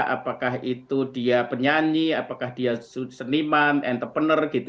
apakah itu dia penyanyi apakah dia seniman entrepreneur gitu